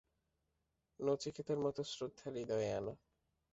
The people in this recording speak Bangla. নচিকেতার মত শ্রদ্ধা হৃদয়ে আন।